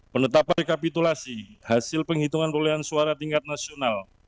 penetapan rekapitulasi hasil penghitungan perolehan suara tingkat nasional